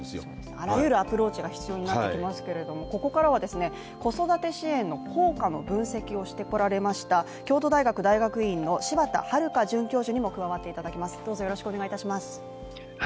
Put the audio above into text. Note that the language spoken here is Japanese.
あらゆるアプローチが必要になってきますけれどもここからは子育て支援の効果の分析をしてこられました京都大学大学院の柴田悠准教授にも加わっていただきます。